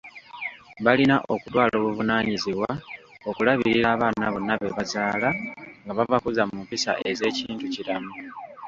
Balina okutwala obuvunaanyizibwa okulabirira abaana bonna be bazaala, nga babakuza mu mpisa ez'ekintu kiramu